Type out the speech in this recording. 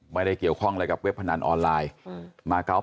ไม่ได้เกี่ยวข้องอะไรกับเว็บพนันออนไลน์